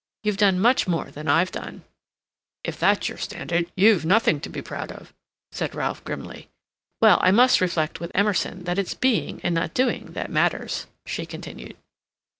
You've done much more than I've done." "If that's your standard, you've nothing to be proud of," said Ralph grimly. "Well, I must reflect with Emerson that it's being and not doing that matters," she continued.